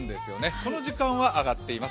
この時間はあがっています。